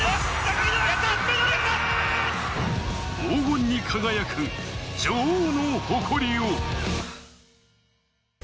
黄金に輝く、女王の誇りを。